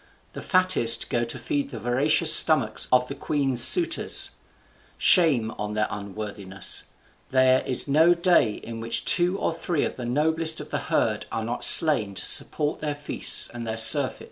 The fattest go to feed the voracious stomachs of the queen's suitors. Shame on their unworthiness! there is no day in which two or three of the noblest of the herd are not slain to support their feasts and their surfeits."